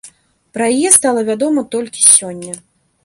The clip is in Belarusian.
Пра яе стала вядома толькі сёння.